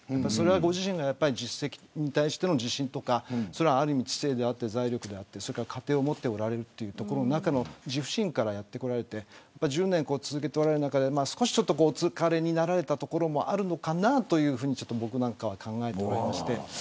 ご自身のやった実績に対しての自信とか知性だったり財力だったり家庭を持っておられるというところの自負心からやってこられて１０年続けてきた中でお疲れになったところもあるのかなと僕なんかは考えています。